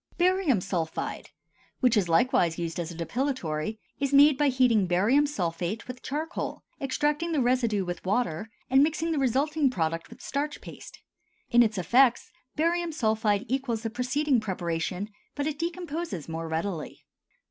BARIUM SULPHIDE, which is likewise used as a depilatory, is made by heating barium sulphate with charcoal, extracting the residue with water, and mixing the resulting product with starch paste. In its effects barium sulphide equals the preceding preparation, but it decomposes more readily.